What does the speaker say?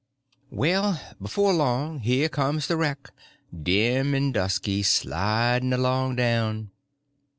Well, before long here comes the wreck, dim and dusky, sliding along down!